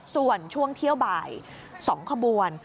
ส่วนช่วงเที่ยวบ่าย๒ขบวน